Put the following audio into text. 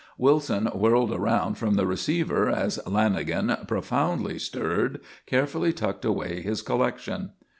Wilson whirled around from the receiver as Lanagan, profoundly stirred, carefully tucked away his collection.